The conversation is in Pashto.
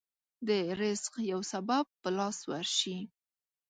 د رزق يو سبب په لاس ورشي.